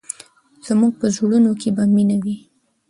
زموږ په زړونو کې به مینه وي.